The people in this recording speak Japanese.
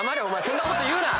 そんなこと言うな。